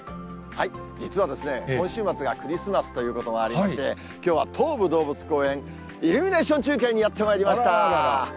実はですね、今週末がクリスマスということもありまして、きょうは東武動物公園、イルミネーション中継にやってまいりました。